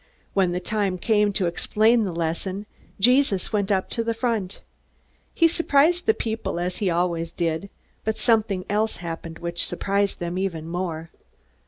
When the time came to explain the lesson, Jesus went up to the front. He surprised the people as he always did; but something else happened which surprised them even more.